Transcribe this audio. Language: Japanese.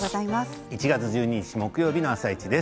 １月１２日木曜日の「あさイチ」です。